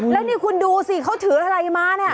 แล้วนี่คุณดูสิเขาถืออะไรมาเนี่ย